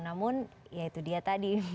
namun ya itu dia tadi